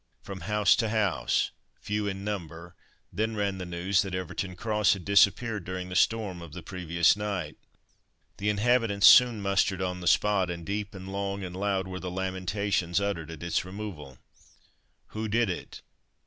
From house to house few in number, then ran the news that Everton Cross had disappeared during the storm of the previous night. The inhabitants soon mustered on the spot, and deep and long and loud were the lamentations uttered at its removal. Who did it?